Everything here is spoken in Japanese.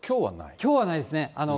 きょうはないですね。